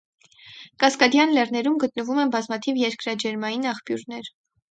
Կասկադյան լեռներում գտնվում են բազմաթիվ երկրաջերմային աղբյուրներ։